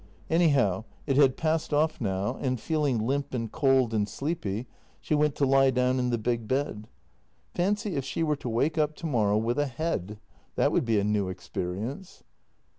Anyhow, it had passed off now, and, feeling limp and cold and sleepy, she went to lie down in the big bed. Fancy if she were to wake up tomorrow with a "head" — that would be a new experience.